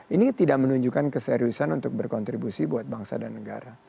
ini tidak menunjukkan keseriusan untuk berkontribusi buat bangsa dan negara